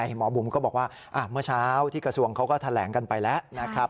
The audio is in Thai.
หมอบุ๋มก็บอกว่าเมื่อเช้าที่กระทรวงเขาก็แถลงกันไปแล้วนะครับ